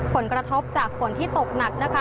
ผลกระทบจากฝนที่ตกหนักนะคะ